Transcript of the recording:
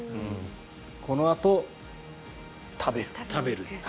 このあと食べる。